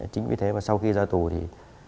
chính vì thế mà sau khi ra tù thì